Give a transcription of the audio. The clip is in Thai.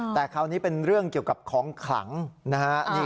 แต่คราวนี้เป็นเรื่องเกี่ยวกับของขลังนะฮะ